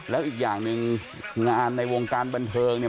แล้วอีกอย่างหนึ่งงานในวงการบันเทิงเนี่ย